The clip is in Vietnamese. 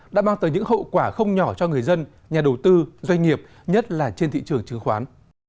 đã mang tới những hậu quả không nhỏ cho người dân nhà đầu tư doanh nghiệp nhất là trên thị trường chứng khoán